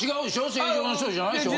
成城の人じゃないでしょ？